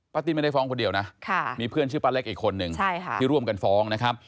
ติ้นไม่ได้ฟ้องคนเดียวนะมีเพื่อนชื่อป้าเล็กอีกคนนึงที่ร่วมกันฟ้องนะครับ